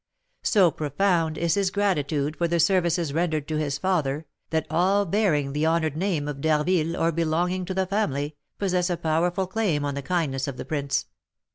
So profound is his gratitude for the services rendered to his father, that all bearing the honoured name of D'Harville, or belonging to the family, possess a powerful claim on the kindness of the prince.